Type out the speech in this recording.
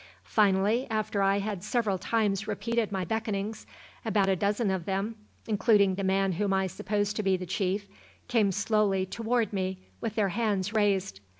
Finally, after I had several times repeated my beckonings, about a dozen of them, including the man whom I supposed to be the chief, came slowly toward me, with their hands raised.